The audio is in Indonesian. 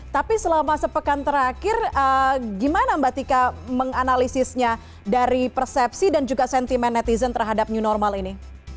tapi selama sepekan terakhir gimana mbak tika menganalisisnya dari persepsi dan juga sentimen netizen terhadap new normal ini